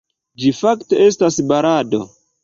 Ĝi fakte estas balado.